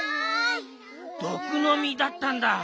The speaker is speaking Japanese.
どくのみだったんだ。